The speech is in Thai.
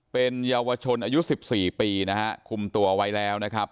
เป็นเยาวชนอายุ๑๔ปีนะฮะคุมตัวไว้แล้วนะครับ